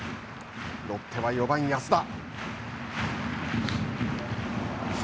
ロッテは４番安田。